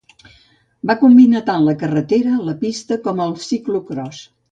Va combinar tant la carretera, la pista com el ciclocròs.